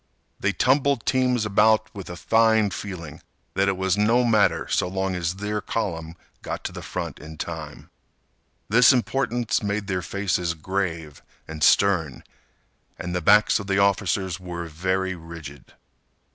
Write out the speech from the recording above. They tumbled teams about with a fine feeling that it was no matter so long as their column got to the front in time. This importance made their faces grave and stern. And the backs of the officers were very rigid.